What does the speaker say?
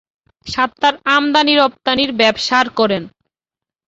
সাত্তার আমদানী রপ্তানির ব্যবসার করেন।